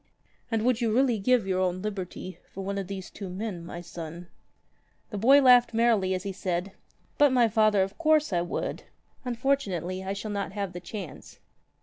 "And would you really give your own liberty for one of these two men, my son?" The boy laughed merrily as he said : "But, my father, of course I would. Unfortunately, I shall not have the chance."